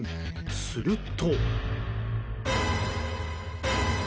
すると。